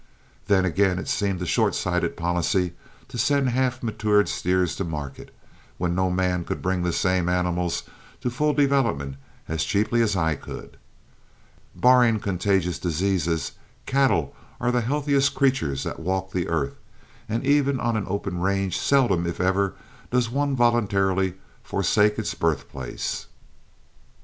Then again it seemed a short sighted policy to send half matured steers to market, when no man could bring the same animals to a full development as cheaply as I could. Barring contagious diseases, cattle are the healthiest creatures that walk the earth, and even on an open range seldom if ever does one voluntarily forsake its birthplace.